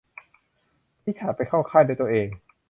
ริชาร์ดไปเข้าค่ายด้วยตัวเอง